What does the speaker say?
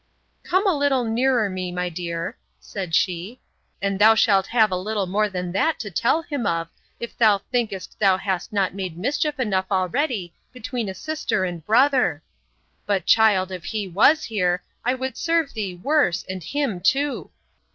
Come a little nearer me, my dear, said she, and thou shalt have a little more than that to tell him of, if thou think'st thou hast not made mischief enough already between a sister and brother. But, child, if he was here, I would serve thee worse, and him too.